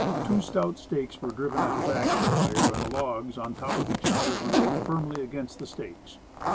Two stout stakes were driven at the back of the fire, and the logs, on top of each other, were laid firmly against the stakes.